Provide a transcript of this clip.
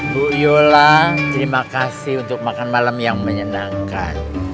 bu yola terima kasih untuk makan malam yang menyenangkan